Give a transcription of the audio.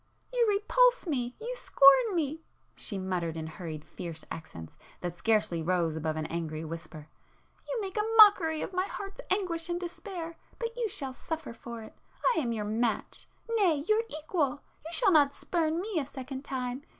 "You repulse me,—you scorn me!" she muttered in hurried fierce accents that scarcely rose above an angry whisper—"You make a mockery of my heart's anguish and despair, but you shall suffer for it! I am your match,—nay your equal! You shall not spurn me a second time!